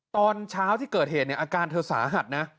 ตอนเช้าที่เกิดเหตุเนี่ยอาการเธอสาหัสนะ